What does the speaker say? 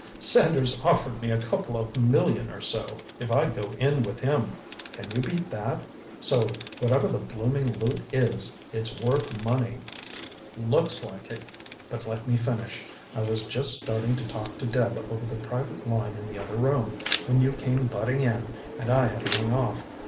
"Sanders offered me a couple of million or so, if I'd go in with him. Can you beat that? So whatever the blooming loot is, it's worth money!" "Looks like it. But let me finish. I was just starting to talk to Deb over the private line in the other room, when you came butting in and I had to ring off.